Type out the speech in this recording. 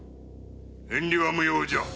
遠慮は無用じゃ。